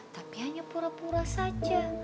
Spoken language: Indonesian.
tapi hanya pura pura saja